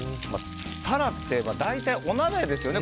タラって、大体お鍋ですよね